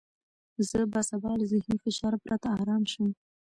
زه به سبا له ذهني فشار پرته ارامه شوم.